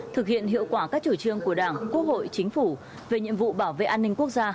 thực hiện hiệu quả các chủ trương của đảng quốc hội chính phủ về nhiệm vụ bảo vệ an ninh quốc gia